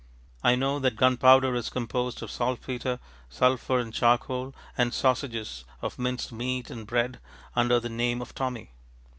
I know that gunpowder is composed of saltpetre, sulphur, and charcoal, and sausages of minced meat and bread under the name of Tommy.